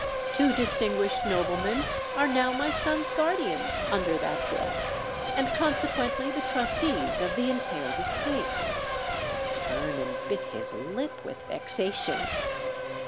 Two distinguished noblemen are now my son's guardians, under that will, and consequently the trustees of the entailed estate." Vernon bit his lip with vexation.